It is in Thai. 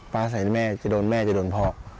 อาศัยแม่จะโดนแม่จะโดนพ่อ